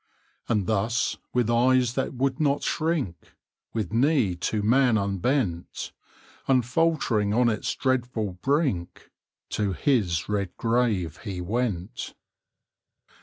And thus, with eyes that would not shrink, With knee to man unbent, Unfaltering on its dreadful brink To his red grave he went.